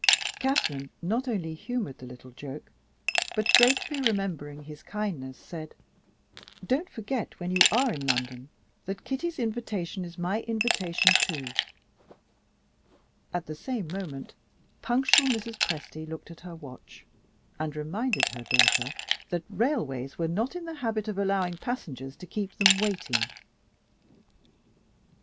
Catherine not only humored the little joke, but, gratefully remembering his kindness, said: "Don't forget, when you are in London, that Kitty's invitation is my invitation, too." At the same moment, punctual Mrs. Presty looked at her watch, and reminded her daughter that railways were not in the habit of allowing passengers to keep them waiting.